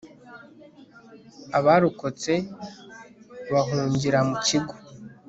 abarokotse bahungira mu kigo